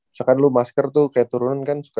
misalkan lo masker tuh kayak turun kan